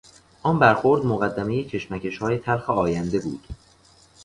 آن برخورد مقدمهی کشمکشهای تلخ آینده بود.